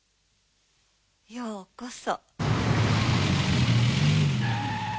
ようこそ。